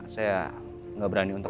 saya ngga berani untuk